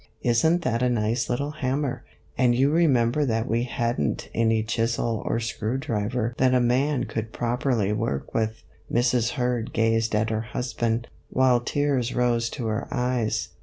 Is n't that a nice little hammer ? and you remember that we had n't any chisel or screw driver that a man could properly work with." Mrs. Kurd gazed at her husband, while tears rose to her eyes.